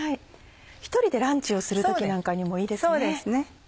１人でランチをする時なんかにもいいですね。